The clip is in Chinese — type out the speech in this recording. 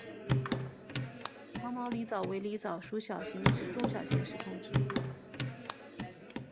长毛狸藻为狸藻属小型至中型食虫植物。